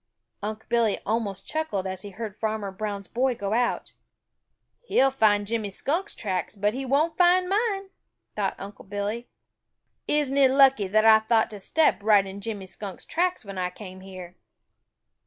Unc' Billy almost chuckled as he heard Farmer Brown's boy go out. "He'll find Jimmy Skunk's tracks, but he won't find mine," thought Unc' Billy. "Isn't it lucky that I thought to step right in Jimmy Skunk's tracks when I came here?"